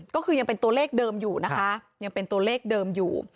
ก็คือยังเป็นตัวเลขเดิมอยู่นะคะยังเป็นตัวเลขเดิมอยู่